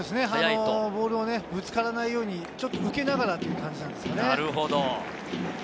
ボールがぶつからないように向けながらという感じなんですね。